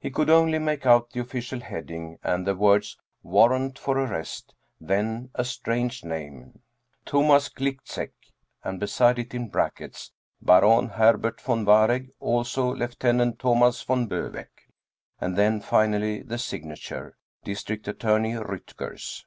He could only make out the official heading and the words "Warrant for Arrest," then a strange name, " Thomas Gliczek," and beside it in brackets, " Baron Herbert von Waregg, also Lieutenant Thomas von Bowegg," and then finally the signature " Dis trict Attorney Riittgers."